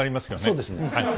そうですね。